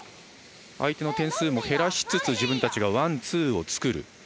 相手の点数も減らしつつ自分たちがワン、ツーを作る。